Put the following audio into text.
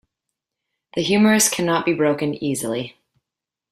The humerus cannot be broken easily.